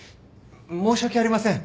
申し訳ありません。